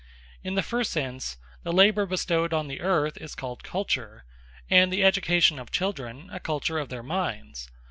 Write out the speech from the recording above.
In the first sense the labour bestowed on the Earth, is called Culture; and the education of Children a Culture of their mindes.